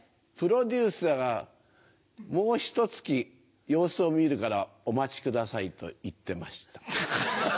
プロデューサーがもうひと月様子を見るからお待ちくださいと言ってました。